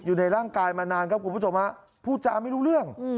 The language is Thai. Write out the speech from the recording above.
อยู่ในร่างกายมานานครับคุณผู้ชมฮะพูดจาไม่รู้เรื่อง